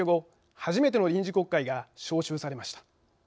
初めての臨時国会が召集されました。